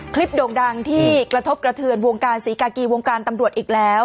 โด่งดังที่กระทบกระเทือนวงการศรีกากีวงการตำรวจอีกแล้ว